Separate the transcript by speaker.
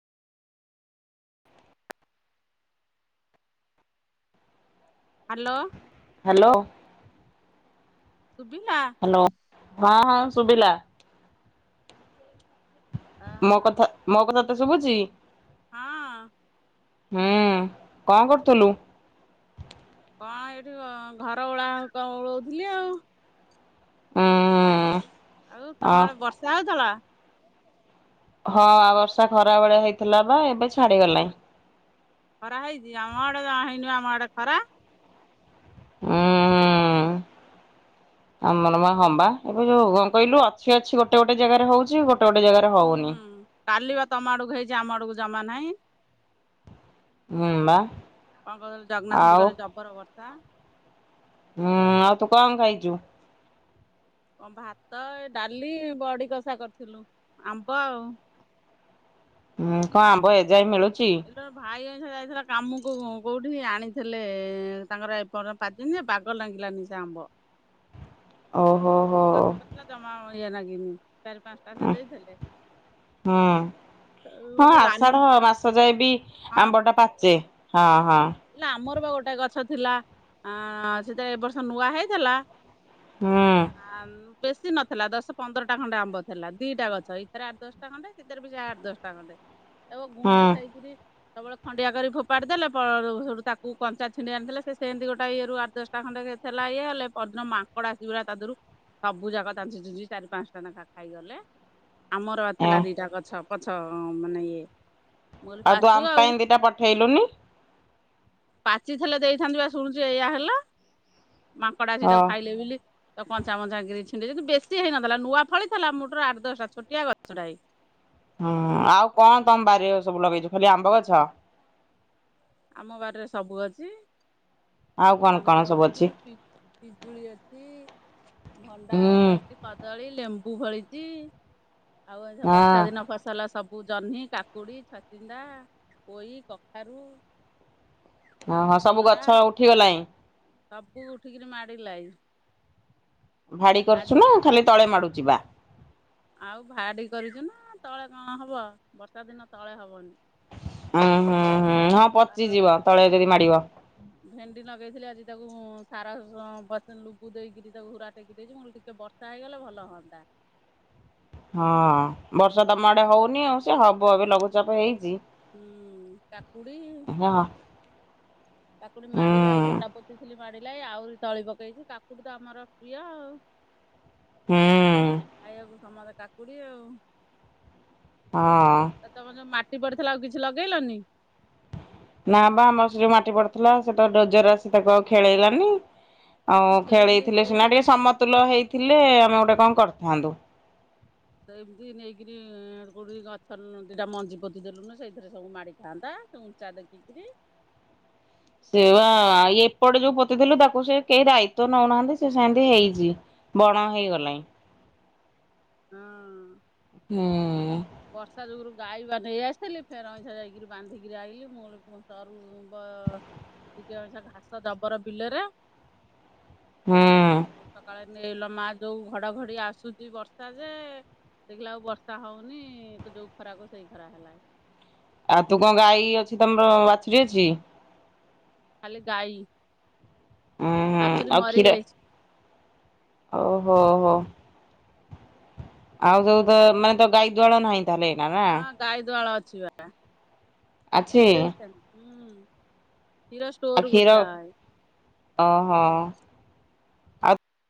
Speaker 1: Hello.
Speaker 2: Hello.
Speaker 1: ଶୁଭିଲା?
Speaker 2: Hello ହଁ ହଁ ଶୁଭିଲା।
Speaker 1: ଓହୋ
Speaker 2: ମୋ
Speaker 1: ହଁ।
Speaker 2: କଥା ମୋ କଥା ତ ଶୁଭୁଛି?
Speaker 1: ହଁ।
Speaker 2: ହୁଁ କଣ କରୁଥିଲୁ?
Speaker 1: କଣ ଏଇଠି ଘର ଓଳା ଓଳଉଥିଲି ଆଉ।
Speaker 2: ହଁ।
Speaker 1: ଆଉ ତମ ଆଡେ ବର୍ଷା ହେଉଥିଲା?
Speaker 2: ହଁ ବର୍ଷା ଖରା ବେଳେଆ ହେଇଥିଲା ବା ଏବେ ଛାଡିଗଲାଣି।
Speaker 1: ଖରା ହେଇଛି ଆମ ଆଡୋ ଜମା ହେଇନିବା ଆମ ଆଡେ ଖରା।
Speaker 2: ହୁଁ। ଆମର ମା ହମ୍ବା ଏବେ ଯୋଉ କଣ କହିଲୁ ଅଛି ଅଛି ଗୋଟେ ଗୋଟେ ଜାଗାରେ ହଉଛି ଗୋଟେ ଗୋଟେ ଜାଗ
Speaker 1: ହୁଁ କାଲିବା ତମ ଆଡକୁ ହେଇଛି ଆମ ଆଡକୁ ଜମା ନାହିଁ।
Speaker 2: ହଁ ବା।
Speaker 1: କଣ କହୁଥିଲ ଜଗନ୍ନାଥ
Speaker 2: ଆଉ
Speaker 1: ଗୁଡରେ ଜବର ବର୍ଷା।
Speaker 2: ହୁଁ ଆଉ ତୁ କଣ ଖାଇଛୁ?
Speaker 1: ଭାତ ଏ ଡାଲି ବଡି କଷା କରିଥିଲୁ ଆମ୍ବ ଆଉ
Speaker 2: ହୁଁ କଣ ଆମ୍ବ ଏଯାଇ ମିଳୁଛି?
Speaker 1: ଏଠ ଭାଇ ଏଥର ଯାଇଥିଲା କାମକୁ କୋଉଠି ଆଣିଥିଲେ ତାଙ୍କର ଏପ ପାତଦିନରେ ବାଗ ଲାଗିଲାନି ସେ ଆମ୍ଭ।
Speaker 2: ଓହୋ ହୋ।
Speaker 1: ଗଛଟା ଜମା ଅଳିଆ ନାଗିନି ଚାରି ପାଞ୍ଚଟାସ ଦେଇଥିଲେ।
Speaker 2: ହୁଁ ହଁ
Speaker 1: ଗୋଟେ ରାନୀ
Speaker 2: ଆଷାଢ ମାସ ଯାଏ ବି ଆମ୍ବ ଟା ପାଚେ। ହଁ ହଁ।
Speaker 1: ହେଲା ଆମର ବା ଗୋଟେ ଗଛ ଥିଲା ଅ ସେଟ ଏ ବର୍ଷ ନୂଆ ହେଇଥିଲା।
Speaker 2: ହୁଁ
Speaker 1: ଆ ବେଶୀ ନଥିଲା ଦଶ ପନ୍ଦରଟା ଖଣ୍ଡେ ଆମ୍ବ ଥିଲା ଦିଟା ଗଛ ଏଇଥରେ ଆଠ ଦଶଟା ଖଣ୍ଡେଥିରେ ସେଥିରେବି ଆଠ ଦଶଟା ଖଣ୍ଡେ।
Speaker 2: ହୁଁ
Speaker 1: ଗୁଣିଚି ଖାଇକିରି ସବୁବେଳେ ଖଣ୍ଡିଆ କରି ଫୋପାଡି ଦେଲେଳ ସବୁ ତାକୁ କଞ୍ଚା ଛିଣ୍ଡି ଆଣିଦେ ସେମିତି ଗୋଟଏ ଇଏରୁ ଆଠ ଦଶଟା ଖଣ୍ଡେ ଥିଲା ଇଏ ହେଲେ ପହର ମା ଙ୍କଡ ଆସି ତଦେହରୁ ସବୁ ଯାକ ଚଞ୍ଚି ଚୁଞ୍ଚି ଚାରି ପାଞ୍ଚ ଟା ଲେଖା ଖାଇଗଲେ। ଆମର ଥିଲା
Speaker 2: ଏଁ
Speaker 1: ଦିଟା ଗଛ ପଛ ମାନେ ଇଏ ମୁଁ କହିଲି
Speaker 2: ଆଉ ତୁ
Speaker 1: ପାଚୁ
Speaker 2: ଆମ ପାଇଁ ଦୁଇଟା ପଠେଇଲୁନୁ?
Speaker 1: ପାଚିଥିଲେ ଦେଇଥାନ୍ତ ବା ଶୁଣୁଛି ଏଇୟଆ ହେଲା ମାଙ୍କଡ଼ା ଆଛି
Speaker 2: ହଁ
Speaker 1: ତାକୁ ଖାଇଲେ ବୋଲି- ତ କଞ୍ଚାମଞ୍ଚା କିି ଛିଣ୍ଡିେ କିନ୍ତୁ ବେଶୀ ହେଇନଥିଲା ନୂଆ ଫଳିଥିଲା ମୁଟରୁ ଆଠ ଦଶଟା ଛୋଟିଆ ଗଛଟାଏ।
Speaker 2: ହୁଁ ଆଉ କଣ ତମବାରି ସବୁ ଲଗେଇଛୁ ଖାଲି ଆମ୍ବ ଗଛ?
Speaker 1: ଆମ ବାରି ରେ ସବୁ ଅଛି।
Speaker 2: ଆଉ କଣ
Speaker 1: ଆମ୍ବ
Speaker 2: କଣ ସବୁ ଅଛି?
Speaker 1: ପି ପିଜୁଳି ଅଛି ଭଣ୍ଡା
Speaker 2: ହୁଁ
Speaker 1: ଗଛ ଅଛି କଦଳୀ ଲେମ୍ବୁ- କୁ ଭଳିଛି ଆଉ ଏ ବର୍ଷା ଦିନ
Speaker 2: ହଁ
Speaker 1: ଫସଲ ସବୁ ଜହ୍ନି କାକୁଡ଼ି, ଛଚିନ୍ଦା, ପୋଇ, କଖାରୁ-
Speaker 2: ଓଁ ହଁ ସବୁ
Speaker 1: କଲରା
Speaker 2: ଗଛ ଉଠିଗଲାଣିଁ?
Speaker 1: ସବୁ ଉଠିକିରି ମାଡ଼ିଲାଇ
Speaker 2: ଭାଡ଼ି କରୁଛୁ ନା ଖାଲି ତଳେ ମାଡ଼ୁଚି ବା -
Speaker 1: ଆଉ ଭାଡି କରିଛୁ ନା ତଳେ କଣ ହବ ବର୍ଷା ଦିନ ତଳେ ହବନି।
Speaker 2: ଉଁ ହୁଁ ହୁଁ ହଁ
Speaker 1: ଆଉ
Speaker 2: ପଚିଯିବ ତଳେ ଯଦି ମାଡିବ।
Speaker 1: ଭେଣ୍ଡି ଲଗେଇଥିଲି ଆଜି ତାକୁ ସାର ଲୁବୁ ଦେଇକିରି ତାକୁ ହୁଡ଼ା ଟେକି ଦେଇଛି ମୁ ଟିକେ ବର୍ [unintelligible] ଇଗଲେ ଭଲ ହୁଅନ୍ତା।
Speaker 2: ହଁ ବର୍ଷା ତମ ଆଡେ ହଉନି ଆଉ
Speaker 1: ହୁଁ
Speaker 2: ହବ ଏବେ ଲଘୁଚାପ ହେଇଛି
Speaker 1: ହୁଁ କାକୁଡି
Speaker 2: ଆ
Speaker 1: କାକୁଡି ମାଡି ଲାଇ ଝଟା ପୋତିଥିଲି ମାଡ଼ ଲାଇ ଆହୁରି ତଳି ପକେଇଛି କାକୁଡି ତ ଆମର ପ୍ରିୟ ଆଉ
Speaker 2: ହୁଁ। ହୁଁ।
Speaker 1: ଖାଇବାକୁ ସମସ୍ତେ କାକୁଡି ଆଉ।
Speaker 2: ହଁ।
Speaker 1: ତ ତମ ଯୋଉ ମାଟି ପଡିଥିଲା ଆଉ କିଛି ଲଗେଇଲନି?
Speaker 2: ନା ବା ଆମର ସେ ଯୋଉ ମାଟି ପଡିଥିଲା ସେଟା ଡଜର ଆସି ତାକୁ ଆଉ ଖେଳେଇଲାନି। ଆଉ
Speaker 1: ସେନ୍ତି
Speaker 2: ଖେଳେଇଥିଲେ ସିନା
Speaker 1: ସେଇଥେରେ
Speaker 2: ଟିକେ ସମତୁଲ ହେଇଥିଲେ ଆମେ ଗୋଟେ କଣ କରିଥାନ୍ତୁ।
Speaker 1: ତ ଏମିତି ନେଇକିରି କେଉଁଠି ଗଛ ଦୁଇଟା ମଞ୍ଜି ପୋତି ଦେଲୁନୁ ସେଇଥିରେ ସବୁ ମାଡ଼ିଥାଆନ୍ତା। ଉଞ୍ଚା ଟେକିକିରି।
Speaker 2: ସେ ବା ଏପଟେ ଯୋଉ ପୋତିଥିଲୁ ତାକୁ ସେ କେହି ଦାୟିତ୍ଵ ନଉନାହାନ୍ତି ସେ ସେମତି ହେଇଛି। ବଣ ହେଇଗଲାଣି।
Speaker 1: ହଁ
Speaker 2: ହୁଁ
Speaker 1: ବର୍ଷା ଯୋଗୁରୁ ଗାଈ ନେଇ ଆସିଥିଲି ଫେରେ ଅଇଁଠା ଯାଇକି ବାନ୍ଧିକି ଆଇିଲି ମୁଁ ଗୋ- ସରୁ [unintelligible] ଟିକେଛ ଘାସ ଦଡବର ବିଲରେ
Speaker 2: ହୁଁ।
Speaker 1: ତ ସକାଳେ ଲ ମା ଯୋଉ ଘଡଘଡି ଆସୁଛି ବର୍ଷା ଯେ ଦେଖିଲା ଆଉ ବର୍ଷା ହଉନି ନି ତ ଯୋଉ ଖରା କୁ ସେଇ ଖରା ହେଲା।
Speaker 2: ଆଉ ତୁ କଣ ଗାଈ ଅଛି ତମର ବାଛୁରୀ ଅଛି।
Speaker 1: ଖାଲି ଗାଈ।
Speaker 2: ଉୁଁ ହୁଁ
Speaker 1: ବାଛୁରୀ
Speaker 2: ଆଉ
Speaker 1: ମରି
Speaker 2: କ୍ଷୀର
Speaker 1: ଯାଇଛି
Speaker 2: ଓହୋ ହୋ ଆଉ ଯୋଉ ତ ମାନେ ତ ଗାଈ ଦୁଆଳ ନାହିଁ ତାହଲେ-
Speaker 1: ହଁ ଗାଈ ଦୁଆଳ ଅଛି ବା
Speaker 2: ଅଛି
Speaker 1: ଦିଏ ହେଇସ ହୁଁ ହିରା
Speaker 2: ଆଉ
Speaker 1: ଷ୍ଟୋରକୁ
Speaker 2: କ୍ଷୀର
Speaker 1: ଦିଆ [unintelligible]
Speaker 2: ଓହୋ ଆଉ